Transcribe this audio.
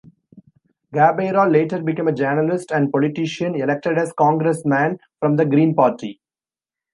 Gabeira later became a journalist and politician, elected as congressman from the Green Party.